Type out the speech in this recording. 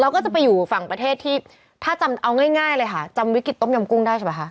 ก็จะไปอยู่ฝั่งประเทศที่ถ้าจำเอาง่ายง่ายเลยค่ะจำวิกฤตต้มยำกุ้งได้ใช่ป่ะคะ